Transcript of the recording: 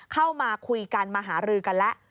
เข้ามาคุยกันมาหารือกันแล้ว